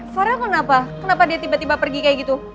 sore kenapa kenapa dia tiba tiba pergi kayak gitu